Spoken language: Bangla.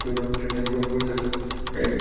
যমুনাতীরে ধর্মস্থল নামে এক নগর আছে।